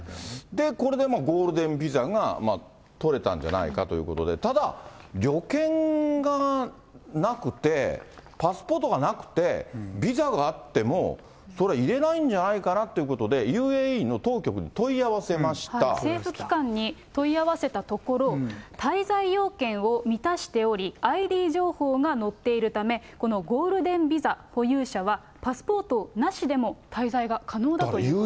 これでもうゴールデンビザが取れたんじゃないかということで、ただ旅券がなくて、パスポートなくて、ビザがあっても、それは入れないんじゃないかなということで、政府機関に問い合わせたところ、滞在要件を満たしており、ＩＤ情報が載っているため、このゴールデンビザ保有者はパスポートなしでも滞在が可能だということなんです。